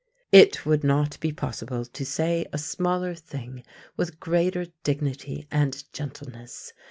It would not be possible to say a smaller thing with greater dignity and gentleness.